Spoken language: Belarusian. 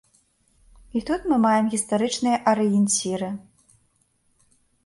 І тут мы маем гістарычныя арыенціры.